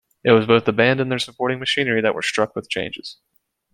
It was both the band and their supporting machinery that were struck with changes.